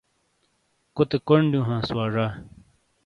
کوتے کونڈدیوں ہانس وا ڙا۔